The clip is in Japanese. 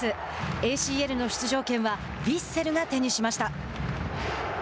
ＡＣＬの出場権はヴィッセルが手にしました。